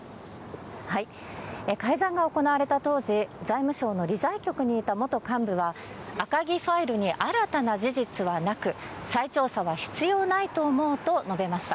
改ざんが行われた当時、財務省の理財局にいた元幹部は、赤木ファイルに新たな事実はなく、再調査は必要ないと思うと述べました。